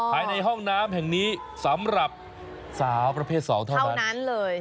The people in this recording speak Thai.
ภายในห้องน้ำแห่งนี้สำหรับสาวประเภท๒เท่านั้นเลย